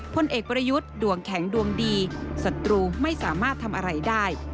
พลเอกประยุทธ์ดวงแข็งดวงดีศัตรูไม่สามารถทำอะไรได้